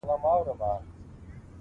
وېره او اندېښنه کمه کړه.